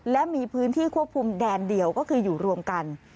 และมีพื้นที่ควบคุมแดนเดียวก็คืออยู่รวมกัน